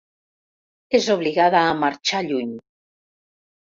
És obligada a marxar lluny.